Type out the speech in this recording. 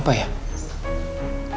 pak randy kenapa ya